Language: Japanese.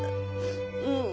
うん。